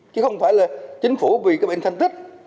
chứ không phải là chính phủ vì các bên thanh tích